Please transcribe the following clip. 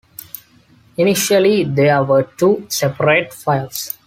Initially there were two separate fires.